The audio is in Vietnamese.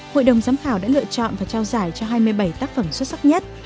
hội đồng giám khảo đã lựa chọn và trao giải cho hai mươi bảy tác phẩm xuất sắc nhất